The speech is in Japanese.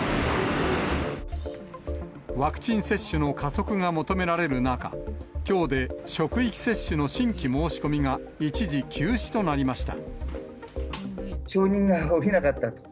ワクチン接種の加速が求められる中、きょうで職域接種の新規申し込みが一時休止となりました。